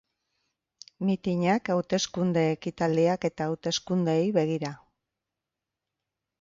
Mitinak, hauteskunde ekitaldiak eta hauteskundeei begira.